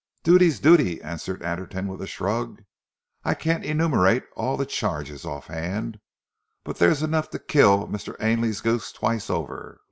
"Duty's duty!" answered Anderton with a shrug. "I can't enumerate all the charges offhand; but there's enough to kill Mr. Ainley's goose twice over.